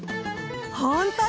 ほんとだ！